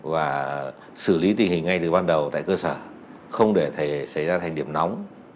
và xử lý tình hình ngay từ ban đầu tại cơ sở không để xảy ra thành điểm nóng